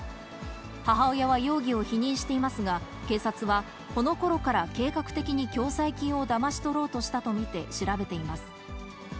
母親は容疑を否認していますが、警察はこのころから計画的に共済金をだまし取ろうとしたと見て調べています。